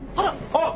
あっ！